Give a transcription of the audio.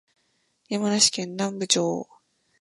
山梨県南部町